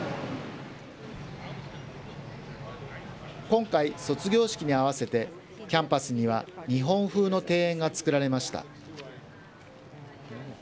今回、卒業式に合わせて、キャンパスには日本風の庭園が作られました。